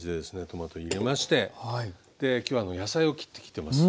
トマト入れまして今日は野菜を切ってきてます。